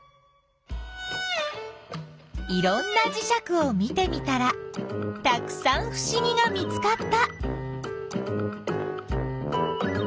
いろんなじしゃくを見てみたらたくさんふしぎが見つかった。